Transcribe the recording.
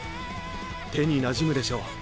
手になじむでしょう？